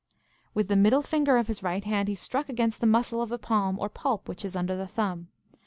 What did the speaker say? With the middle finger of his right hand he struck against the muscle of the palm or pulp which is under the thumb.